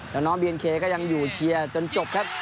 แล้วน้องบีนเคก็ยังอยู่เชียร์จนจบครับ